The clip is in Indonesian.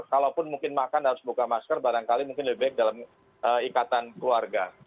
kalaupun mungkin makan harus buka masker barangkali mungkin lebih baik dalam ikatan keluarga